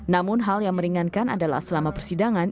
namun hal yang meringankan adalah selama persidangan